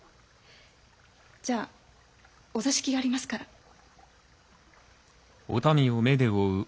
じゃあお座敷がありますから。